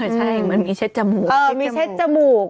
ใช่มันมีเช็ดจมูก